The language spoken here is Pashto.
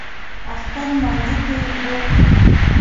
اختر لمانځه ته یې بوتلم.